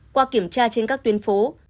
qua kiểm tra trên các tuyến phố